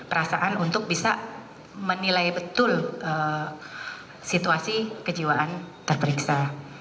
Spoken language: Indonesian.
jadi perasaan untuk bisa menilai betul situasi kejiwaan terperiksa